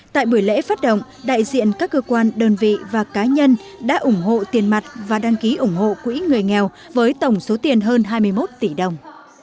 tại buổi lễ phát động đại diện các cơ quan đơn vị và cá nhân đã ủng hộ tiền mặt và đăng ký ủng hộ quỹ người nghèo với tổng số tiền hơn hai mươi một tỷ đồng